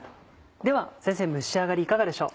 では先生蒸し上がりいかがでしょう？